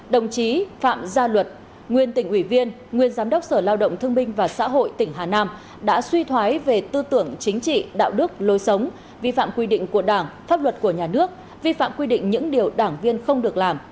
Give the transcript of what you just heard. đồng chí phạm gia luật nguyên tỉnh ủy viên nguyên giám đốc sở lao động thương minh và xã hội tỉnh hà nam đã suy thoái về tư tưởng chính trị đạo đức lối sống vi phạm quy định của đảng pháp luật của nhà nước vi phạm quy định những điều đảng viên không được làm